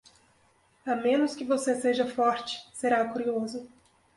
A menos que você seja forte, será curioso.